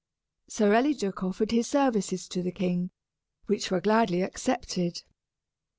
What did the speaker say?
Sir Eliduc offered his services to the king, which were gladly accepted.